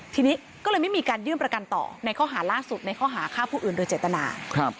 ทีนี้ก็เลยไม่มีการยื่นประกันต่อในข้อหาล่าสุดในข้อหาฆ่าผู้อื่นโดยเจตนา